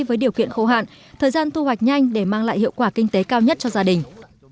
với điều kiện khô hạn thời gian thu hoạch nhanh để mang lại hiệu quả kinh tế cao nhất cho gia đình